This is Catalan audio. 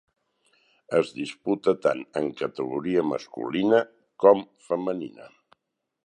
Es disputa tant en categoria masculina com femenina.